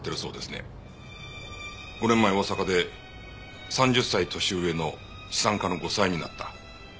５年前大阪で３０歳年上の資産家の後妻になった。